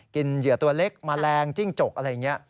เหยื่อตัวเล็กแมลงจิ้งจกอะไรอย่างนี้